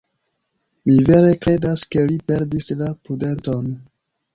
Mi vere kredas, ke li perdis la prudenton.